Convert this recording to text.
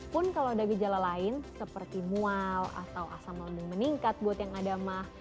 pun kalau ada gejala lain seperti mual atau asam lambung meningkat buat yang ada mah